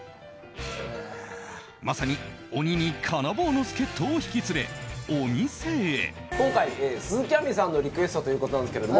まさに鬼に金棒の助っ人を引き連れ、お店へ。